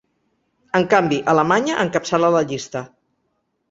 En canvi, Alemanya encapçala la llista.